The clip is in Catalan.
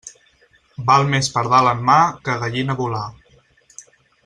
Val més pardal en mà que gallina volar.